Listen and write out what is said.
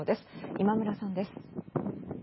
今村さんです。